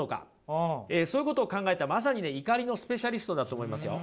そういうことを考えたまさにね怒りのスペシャリストだと思いますよ。